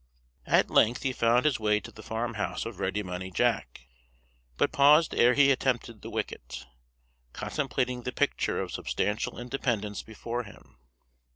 At length he found his way to the farm house of Ready Money Jack, but paused ere he attempted the wicket; contemplating the picture of substantial independence before him.